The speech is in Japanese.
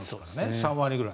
３割ぐらい。